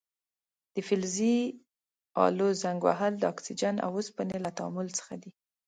د فلزي الو زنګ وهل د اکسیجن او اوسپنې له تعامل څخه دی.